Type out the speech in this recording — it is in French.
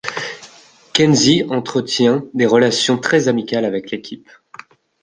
Kensi entretient des relations très amicales avec l'équipe.